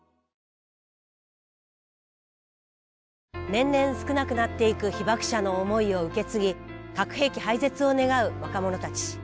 年々少なくなっていく被爆者の思いを受け継ぎ核兵器廃絶を願う若者たち。